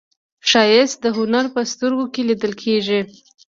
ښایست د هنر په سترګو کې لیدل کېږي